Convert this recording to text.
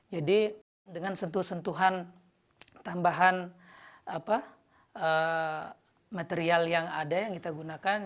jadi dengan sentuhan tambahan material yang ada yang kita gunakan